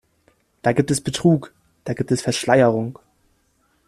Da gibt es Betrug, da gibt es Verschleierung.